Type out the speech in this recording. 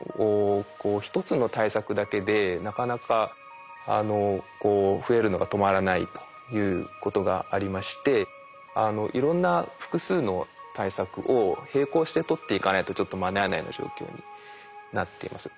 １つの対策だけでなかなか増えるのが止まらないということがありましていろんな複数の対策を並行して取っていかないとちょっと間に合わないような状況になっています。